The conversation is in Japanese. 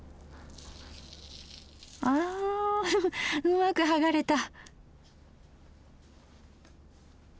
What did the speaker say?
うんうまく剥がれた！